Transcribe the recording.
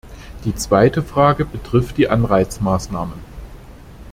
Die zweite Frage betrifft die Anreizmaßnahmen.